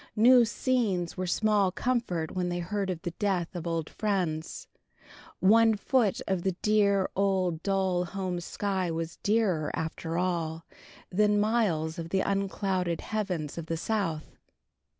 New scenes were small comfort when they heard of the death of old friends. One foot of the dear, old, dull home sky was dearer, after all, than miles of the unclouded heavens of the South.